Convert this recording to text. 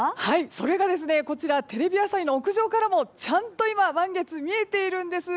それが、こちらテレビ朝日の屋上からもちゃんと今満月が見えているんです。